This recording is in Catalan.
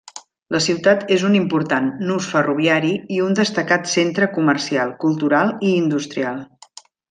La ciutat és un important nus ferroviari i un destacat centre comercial, cultural i industrial.